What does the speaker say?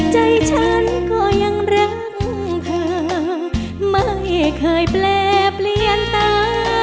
ใจฉันก็ยังรักเธอไม่เคยแปลเปลี่ยนตา